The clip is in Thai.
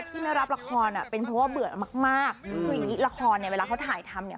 ที่ไม่รับละครเป็นเพราะเบื่อมากคือละครเนี่ยเวลาเขาถ่ายทำเนี่ย